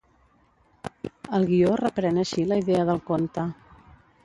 El guió reprèn així la idea del conte.